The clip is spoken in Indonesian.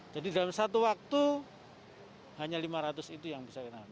jadi dalam satu waktu hanya lima ratus itu yang bisa kita nambah